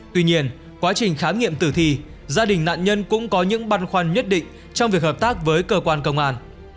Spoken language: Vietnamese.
tuy nhiên quá trình khám nghiệm tử thi gia đình nạn nhân cũng có những băn khoăn nhất định trong việc hợp tác với cơ quan công an